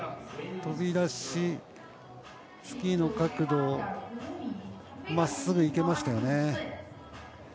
飛び出し、スキーの角度まっすぐいけましたよね。